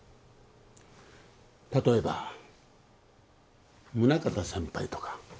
例えば宗形先輩とか。